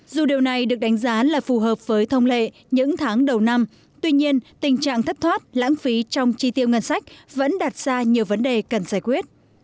dù điều này được đánh giá là phù hợp với thông lệ những tháng đầu năm tuy nhiên tình trạng thất thoát lãng phí trong chi tiêu ngân sách vẫn đặt ra nhiều vấn đề cần giải quyết